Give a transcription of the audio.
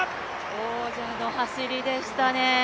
王者の走りでしたね。